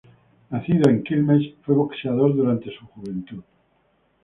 Nacido en Quilmes, fue boxeador durante su juventud.